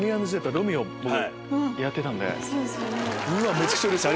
めちゃくちゃうれしい！